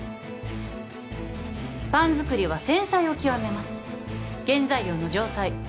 パン作りは繊細を極めます原材料の状態